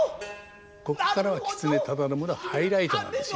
ここからは狐忠信のハイライトなんですよ。